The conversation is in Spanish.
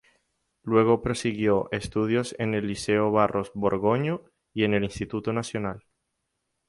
Luego prosiguió estudios en el Liceo Barros Borgoño y en el Instituto Nacional.